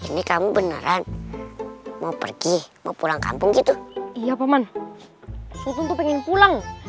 hai ini kamu beneran mau pergi mau pulang kampung gitu iya paman untuk pengen pulang